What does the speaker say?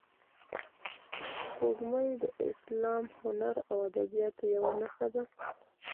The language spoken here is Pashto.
سپوږمۍ د اسلام، هنر او ادبیاتو یوه نښه ده